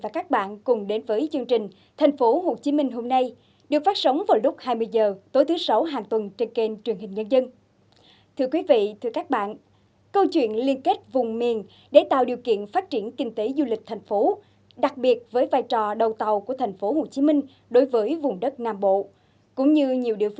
các bạn hãy đăng ký kênh để ủng hộ kênh của chúng mình nhé